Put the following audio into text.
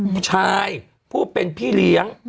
ผู้ชายผู้เป็นพี่เลี้ยง